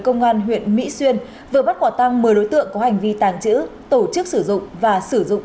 công an huyện mỹ xuyên vừa bắt quả tăng một mươi đối tượng có hành vi tàng trữ tổ chức sử dụng và sử dụng